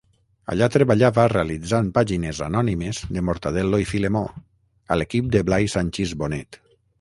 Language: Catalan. Allà treballava realitzant pàgines anònimes de Mortadel·lo i Filemó, a l'equip de Blai Sanchis Bonet.